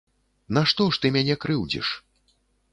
Нашто ж ты мяне крыўдзіш?